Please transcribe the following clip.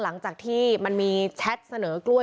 หลังจากที่มันมีแชทเสนอกล้วย